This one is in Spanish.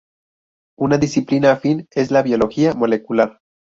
Una disciplina afín es la biología molecular.